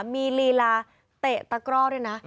มีลีลาเตะตะกร่อด้วยนะ